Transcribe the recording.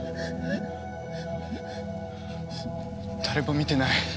誰も見てない。